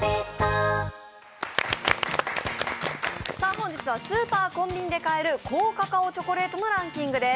本日はスーパー・コンビニで買える高カカオチョコレートのランキングです。